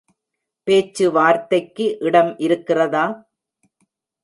பேச்சுவார்த்தைக்கு இடம் இருக்கிறதா?